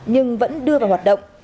nhưng vẫn đưa vào hoạt động